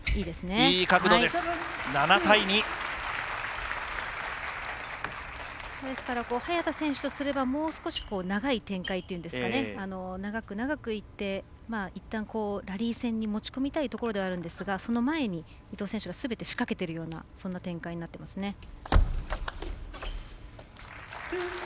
ですから早田選手とすればもう少し長い展開というんですかね長く長くいっていったん、ラリー戦に持ち込みたいところではあるんですがその前に伊藤選手がすべて仕掛けているようなそんな展開になっていますね。